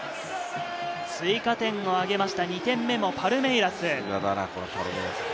追加点を挙げました、２点目もパルメイラス。